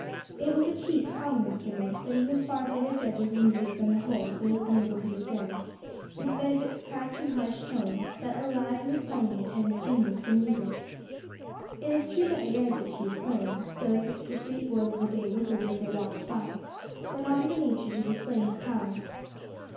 It was a cheap, common instrument, but even far better judges of music than the Holls would have been able to discern, in spite of its cracked and harsh tone, that the lad who was playing it had a genius for music. It is true that the airs which he was playing, those which the street boys of the day whistled as they walked by, were not of a nature to display his powers.